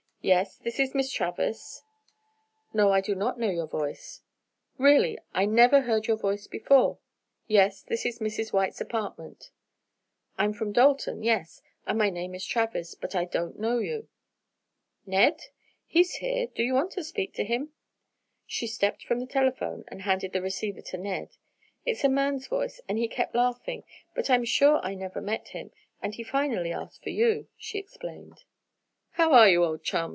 "Yes, this is Miss Travers!" "No, I do not know your voice." "Really, I never heard your voice before!" "Yes, this is Mrs. White's apartment." "I'm from Dalton, yes, and my name is Travers, but I don't know you." "Ned? He's here. You want to speak to him?" She stepped from the telephone and handed the receiver to Ned: "It's a man's voice and he kept laughing, but I'm sure I never met him, and he finally asked for you," she explained. "How are you, old chum?"